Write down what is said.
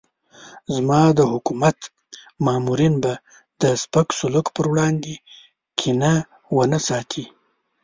زما د حکومت مامورین به د سپک سلوک پر وړاندې کینه ونه ساتي.